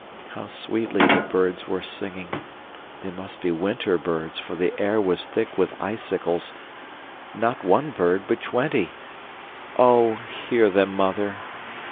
How sweetly the birds were singing. They must be winter birds, for the air was thick with icicles not one bird but twenty. Oh! hear them, Mother.